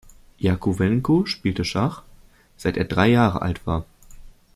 Jakowenko spielt Schach, seit er drei Jahre alt war.